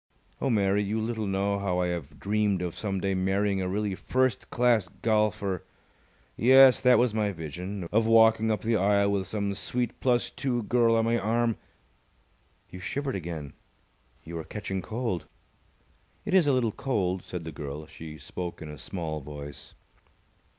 Oh, Mary, you little know how I have dreamed of some day marrying a really first class golfer! Yes, that was my vision of walking up the aisle with some sweet plus two girl on my arm. You shivered again. You are catching cold." "It is a little cold," said the girl. She spoke in a small voice.